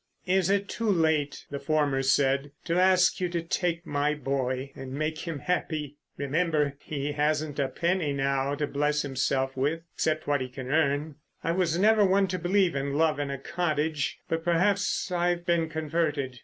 "Is it too late," the former said, "to ask you to take my boy and make him happy? Remember, he hasn't a penny now to bless himself with, except what he can earn. I was never one to believe in love in a cottage, but perhaps I've been converted.